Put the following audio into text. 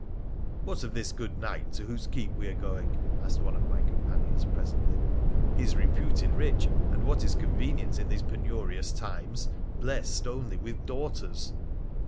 ' What of this good knight to whoso keep we are going ?' asked one of my companions presently. ' He is reputed rich, PHRA THE PH&NlClAtt 143 and, what is convenient in these penurious times, blessed only with daughters.'